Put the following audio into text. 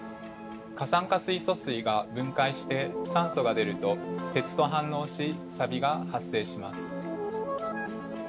過酸化水素水が分解して酸素が出ると鉄と反応しサビが発生します。